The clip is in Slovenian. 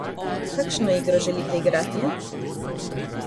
Kakšno igro želite igrati?